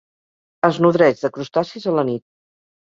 Es nodreix de crustacis a la nit.